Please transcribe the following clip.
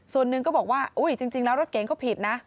ส่วนหนึ่งก็บอกว่าจริงแล้วรถเก๋งก็ผิดนะ